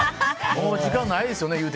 もう時間ないですよね